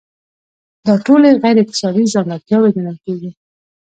دا ټولې غیر اکتسابي ځانګړتیاوې ګڼل کیږي.